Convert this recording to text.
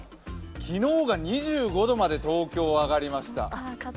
昨日が２５度まで東京は上がりました。